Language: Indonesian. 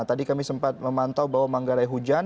tadi kami sempat memantau bahwa manggarai hujan